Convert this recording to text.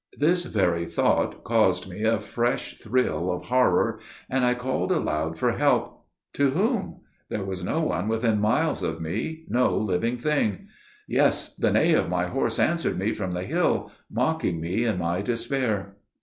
This very thought caused me a fresh thrill of horror, and I called aloud for help. To whom? There was no one within miles of me no living thing. Yes! the neigh of my horse answered me from the hill, mocking me in my despair.